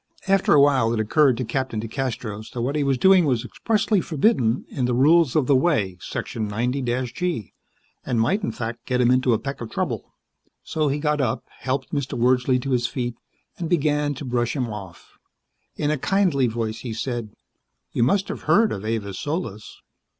After awhile it occurred to Captain DeCastros that what he was doing was expressly forbidden in the Rules of the Way, Section 90 G, and might, in fact, get him into a peck of trouble. So he got up, helped Mr. Wordsley to his feet, and began to brush him off. In a kindly voice he said, "You must have heard of Avis Solis."